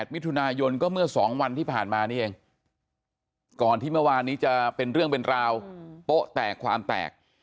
มิถุนายนก็เมื่อ๒วันที่ผ่านมานี่เองก่อนที่เมื่อวานนี้จะเป็นเรื่องเป็นราวโป๊ะแตกความแตก